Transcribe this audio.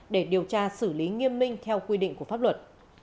để điều tra xử lý nghiêm minh theo quy định của pháp luật